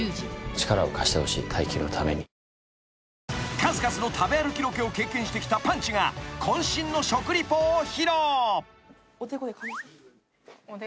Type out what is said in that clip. ［数々の食べ歩きロケを経験してきたパンチが渾身の食リポを披露］